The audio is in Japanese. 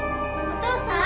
お父さん！